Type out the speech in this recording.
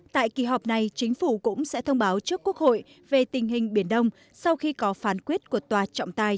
tại kỳ họp này chính phủ cũng sẽ thông báo trước quốc hội về tình hình biển đông sau khi có phán quyết của tòa trọng tài